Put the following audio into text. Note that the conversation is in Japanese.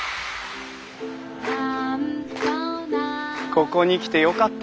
ここに来てよかった。